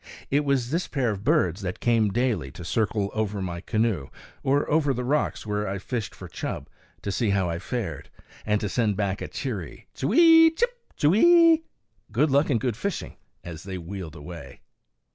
It was this pair of birds that came daily to circle over my canoe, or over the rocks where I fished for chub, to see how I fared, and to send back a cheery Ch'wee! chip, ch'weeee! "good luck and good fishing," as they wheeled away.